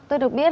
tôi được biết